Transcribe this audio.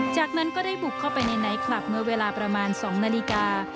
จากนั้นก็ได้บุกเข้าไปในไนท์คลับเมื่อเวลาประมาณ๒นาฬิกา